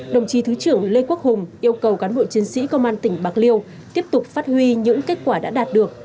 đồng chí thứ trưởng lê quốc hùng yêu cầu cán bộ chiến sĩ công an tỉnh bạc liêu tiếp tục phát huy những kết quả đã đạt được